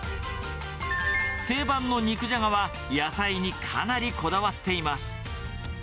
定番の肉じゃがは、野菜にかなりこだわっています。